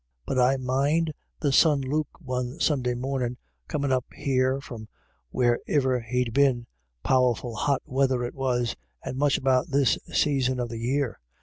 But I mind the son Luke one Sunday mornin' comin' up here from where ivcr he'd been ; powerful hot weather it was, and much about this saison of the year.